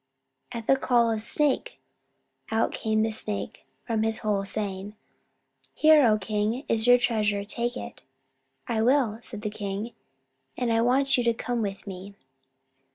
At the call of "Snake!" out came the Snake from his hole, saying, "Here, O King, is your treasure; take it." "I will," said the king. "And I want you to come with me."